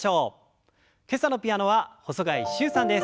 今朝のピアノは細貝柊さんです。